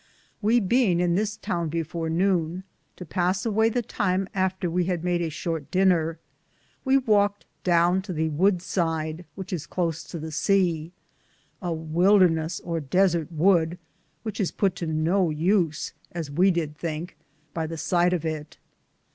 We beinge at this towne before nowne, to pass awaye the time after we had made a shorte diner, we walked downe to the wood sid, which is close to the sea ; a wildernes or desarte wood, which is put to no use, as we did thinke, by the sighte of it.